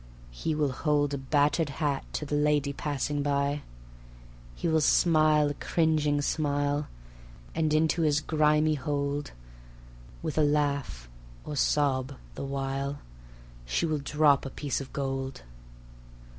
He will hold a battered hat To the lady passing by. He will smile a cringing smile, And into his grimy hold, With a laugh (or sob) the while, She will drop a piece of gold.